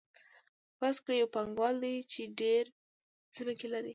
فرض کړئ یو پانګوال دی چې ډېرې ځمکې لري